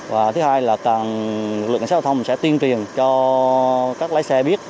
và thứ hai là toàn lực lượng cảnh sát giao thông sẽ tuyên truyền cho các lái xe biết